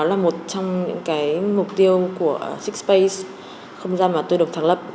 đó là một trong những mục tiêu của six space không gian mà tôi được thắng lập